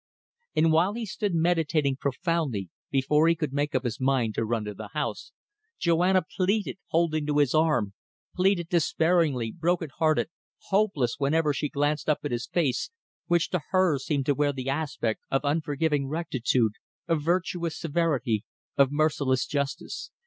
And while he stood meditating profoundly before he could make up his mind to run to the house, Joanna pleaded, holding to his arm pleaded despairingly, broken hearted, hopeless whenever she glanced up at his face, which to her seemed to wear the aspect of unforgiving rectitude, of virtuous severity, of merciless justice.